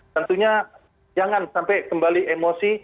tentunya jangan sampai kembali emosi